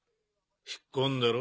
引っ込んでろ。